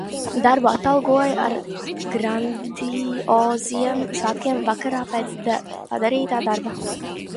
Darbu atalgoja ar grandioziem svētkiem vakarā, pēc padarītā darba.